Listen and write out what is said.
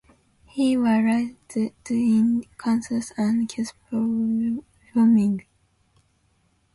He was raised in Kansas and Casper, Wyoming.